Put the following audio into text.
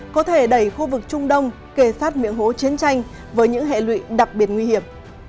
có thể đẩy khu vực trung đông kề sát miệng hố chiến tranh với những hệ lụy đặc biệt nguy hiểm